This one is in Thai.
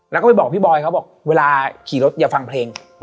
แล้วก็ไปบอกพี่บอยเขาบอกเวลาขี่รถอย่าฟังเพลง